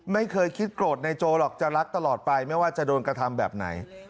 ไม่เคยคิดโกรธนายโจหรอกจะรักตลอดไปไม่ว่าจะโดนกระทำแบบไหน